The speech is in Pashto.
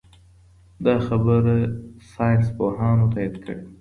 دا خبره ساینس پوهانو تایید کړې ده.